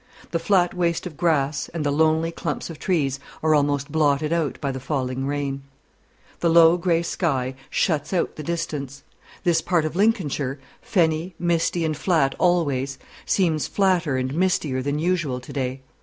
The flat waste of grass, and the lonely clumps of trees, are almost blotted out by the falling rain. The low grey sky shuts out the distance. This part of Lincolnshire fenny, misty, and flat always seems flatter and mistier than usual to day.